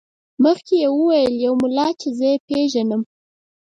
مخکې یې وویل یو ملا چې زه یې پېژنم.